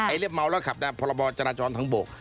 เรียบเมาแล้วขับได้พรบจราจรทางบก